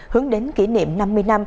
hướng đến kỷ niệm năm mươi năm